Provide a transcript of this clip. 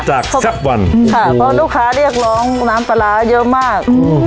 แซ่บวันค่ะเพราะลูกค้าเรียกร้องน้ำปลาร้าเยอะมากอืม